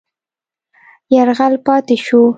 یرغل پاتې شو.